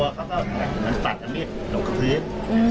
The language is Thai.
แต่เขาก็กลัวเขาแฟนตัดนั้นมีดหลบคลาสรีสต์